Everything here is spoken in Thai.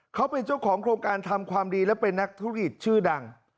เขาเป็นเจ้าของโครงการทำความดีและเป็นนักธุรกิจชื่อดัง